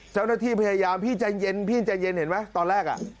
เจ้าหน้าที่พยายามพี่ใจเย็นเห็นไหมตอนแรก